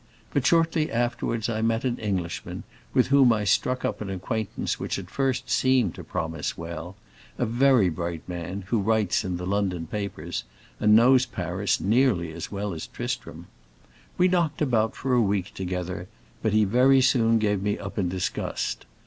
But shortly afterwards I met an Englishman, with whom I struck up an acquaintance which at first seemed to promise well—a very bright man, who writes in the London papers and knows Paris nearly as well as Tristram. We knocked about for a week together, but he very soon gave me up in disgust.